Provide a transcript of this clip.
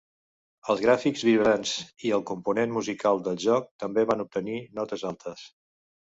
Els gràfics vibrants i el component musical del joc també van obtenir notes altes.